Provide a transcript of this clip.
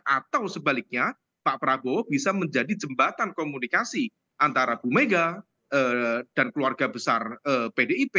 atau sebaliknya pak prabowo bisa menjadi jembatan komunikasi antara bu mega dan keluarga besar pdip